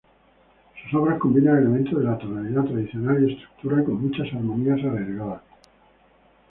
Sus obras combinan elementos de la tonalidad tradicional y estructura con muchas armonías arriesgadas.